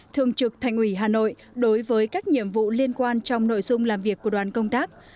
thường trực thành ủy hà nội đối với các nhiệm vụ liên quan trong nội dung làm việc của đoàn công tác